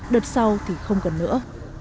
đợt sau thì không cần nữa